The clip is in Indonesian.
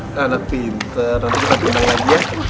iya dong anak pinter nanti kita berenang lagi ya